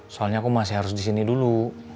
soalnya aku masih harus disini dulu